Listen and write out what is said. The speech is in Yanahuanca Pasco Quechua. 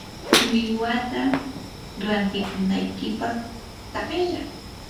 millwata rantikunaykipaq taqshay.